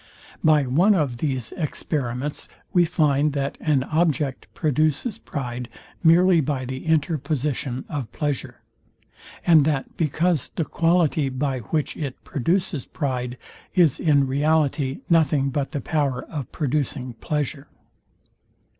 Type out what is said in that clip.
By one of these experiments we find, that an object produces pride merely by the interposition of pleasure; and that because the quality, by which it produces pride, is in reality nothing but the power of producing pleasure.